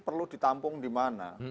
perlu ditampung di mana